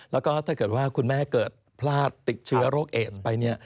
แล้วก็ถ้าเกิดว่าคุณแม่เกิดพลาดติดเชื้อโรคเอสไปเนี่ย